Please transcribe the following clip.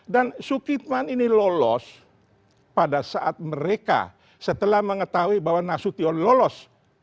dan sukitman ini lolos pada saat mereka setelah mengetahui bahwa nasution lolos